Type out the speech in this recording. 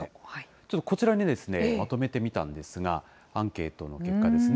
ちょっとこちらにまとめてみたんですが、アンケートの結果ですね。